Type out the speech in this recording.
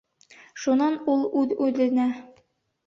Шунан ул үҙ-үҙенә: